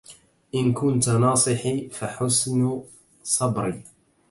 إن كنت ناصحي فحسن صبري